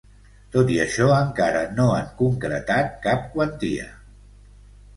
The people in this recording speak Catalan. Tot i això, encara no han concretat cap quantia.